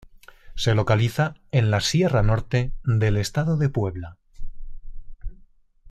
Se localiza en la Sierra Norte del Estado de Puebla.